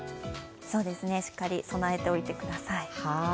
そうですね、しっかりと備えておいてください。